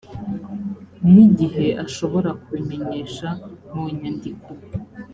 n igihe ashobora kubimenyesha mu nyandiko